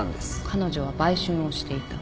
彼女は売春をしていた。